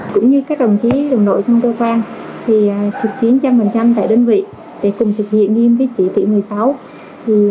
cũng như các đồng chí đồng đội trong cơ quan thì trực chiến một trăm linh tại đơn vị để cùng thực hiện nghiêm vị trí tỷ một mươi sáu